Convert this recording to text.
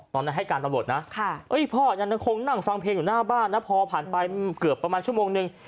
ตอนนั้นให้การตำรวจนะพ่อยังคงนั่งฟังเพลงอยู่หน้าบ้านนะพอผ่านไปเกือบประมาณชั่วโมงนึง